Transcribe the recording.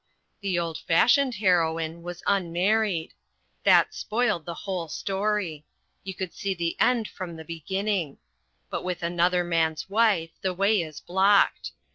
The old fashioned heroine was unmarried. That spoiled the whole story. You could see the end from the beginning. But with Another Man's Wife, the way is blocked.